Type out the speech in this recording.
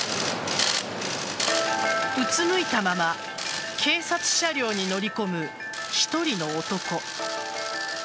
うつむいたまま警察車両に乗り込む１人の男。